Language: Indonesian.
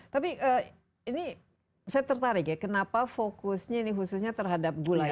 tapi ini saya tertarik ya kenapa fokusnya ini khususnya terhadap gula ya